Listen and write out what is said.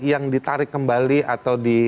yang ditarik kembali atau di